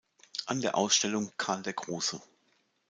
An der Ausstellung "Karl der Große.